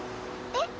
え？